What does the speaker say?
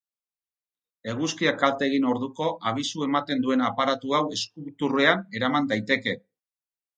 Eguzkiak kalte egin orduko abisu ematen duen aparatu hau eskuturrean eraman daiteke.